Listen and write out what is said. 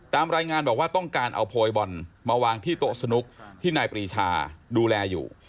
ตามรายงานบอกว่าต้องการเอาโพยบอลมาวางที่โต๊ะสนุกที่นายปรีชาดูแลอยู่